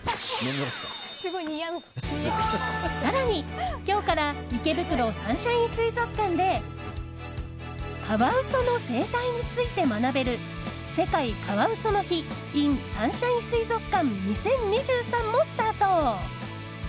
更に今日から池袋・サンシャイン水族館でカワウソの生態について学べる世界カワウソの日ｉｎサンシャイン水族館２０２３もスタート。